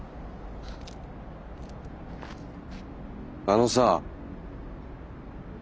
あのさ。